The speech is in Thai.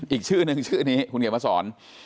อีกชื่อนึงชื่อนี้คุณเขียนมาสอน